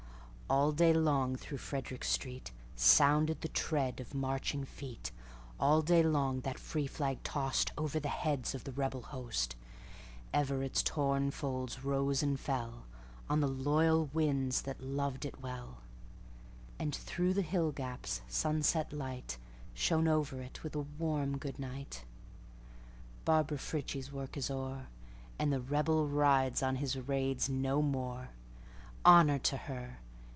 All day long through Frederick streetSounded the tread of marching feet:All day long that free flag tostOver the heads of the rebel host. Ever its torn folds rose and fellOn the loyal winds that loved it well; And through the hill gaps sunset lightShone over it with a warm good night. Barbara Frietchie's work is o'er, And the Rebel rides on his raids no more. Honor to her!